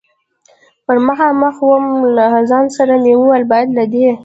پر مخامخ ووم، له ځان سره مې وویل: باید له دې.